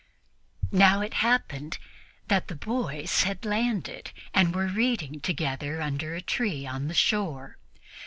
Now, it happened that the boys had landed and were reading together under a tree on the shore.